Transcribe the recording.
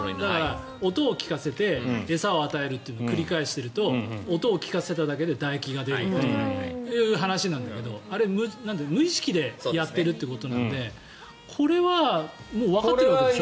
音を聞いて餌を与えるというのを繰り返していると音を聞かせただけで唾液が出るという話なんだけどあれ、無意識でやってるということなのでこれはわかってるってことでしょ？